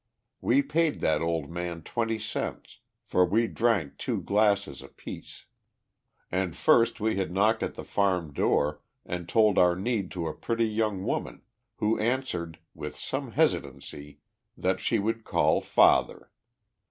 We paid that old man twenty cents, for we drank two glasses apiece. And first we had knocked at the farm door, and told our need to a pretty young woman, who answered, with some hesitancy, that she would call "father."